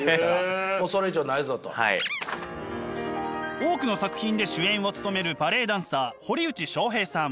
多くの作品で主演を務めるバレエダンサー堀内將平さん。